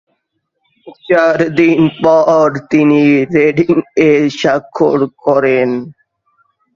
চার দিন পর, তিনি রেডিং-এ স্বাক্ষর করেন।